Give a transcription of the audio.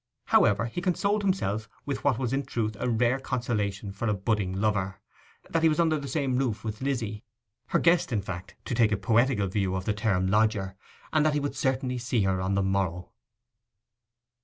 However, he consoled himself with what was in truth a rare consolation for a budding lover, that he was under the same roof with Lizzy; her guest, in fact, to take a poetical view of the term lodger; and that he would certainly see her on the morrow.